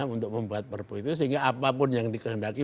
untuk membuat perbu itu sehingga apapun yang dikendaki